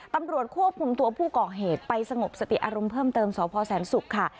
ตำรวจควบคุมตัวผู้ก่อเหตุไปสงบสติอารมณ์เพิ่มเติมสพแสนศุกร์ค่ะ